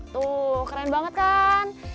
tuh keren banget kan